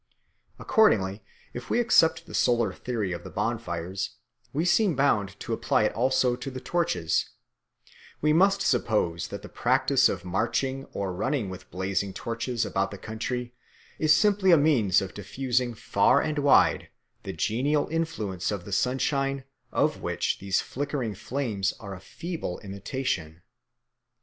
Accordingly if we accept the solar theory of the bonfires, we seem bound to apply it also to the torches; we must suppose that the practice of marching or running with blazing torches about the country is simply a means of diffusing far and wide the genial influence of the sunshine of which these flickering flames are a feeble imitation.